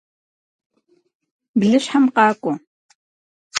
Блыщхьэм къакӏуэ!